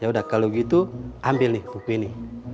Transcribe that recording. yaudah kalau gitu ambil nih buku ini